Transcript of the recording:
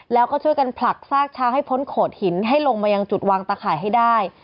แล้วก็ช่วยกันผลักซากช้างให้พ้นโขดหินให้ลงมายังจุดวางตะข่ายให้ได้